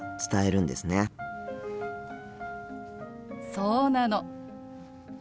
そうなの。